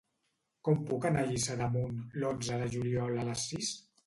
Com puc anar a Lliçà d'Amunt l'onze de juliol a les sis?